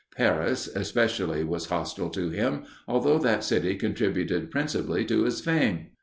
Paris, especially, was hostile to him, although that city contributed principally to his fame.